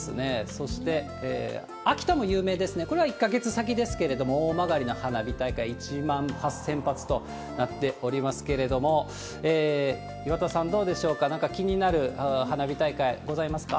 そして秋田も有名ですね、これは１か月先ですけれども、大曲の花火大会、１万８０００発となっておりますけれども、岩田さん、どうでしょうか、なんか気になる花火大会ございますか？